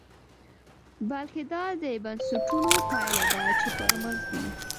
بلکې دا د بنسټونو پایله ده چې پرمخ ځي.